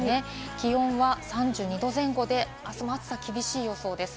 気温は３２度前後で、あすも暑さは厳しい予想です。